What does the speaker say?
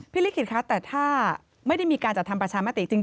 ลิขิตคะแต่ถ้าไม่ได้มีการจัดทำประชามติจริง